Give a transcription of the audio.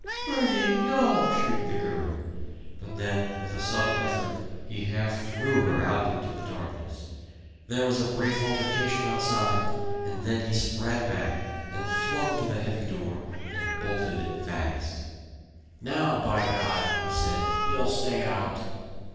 "Bertie! No!" shrieked the girl; but then with a sudden effort he half threw her out into the darkness. There was a brief altercation outside, and then he sprang back, and flung to the heavy door, and bolted it fast. "Now, by God!" he said, "you'll stay out."